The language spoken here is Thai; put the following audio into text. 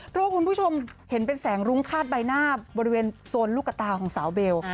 เพราะว่าคุณผู้ชมเห็นเป็นแสงรุ้งคาดใบหน้าบริเวณโซนลูกกระตาของสาวเบล